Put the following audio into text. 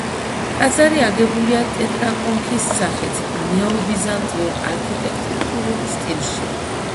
ტაძარი აგებულია ტეტრაკონქის სახით ნეობიზანტიურ არქიტექტურულ სტილში.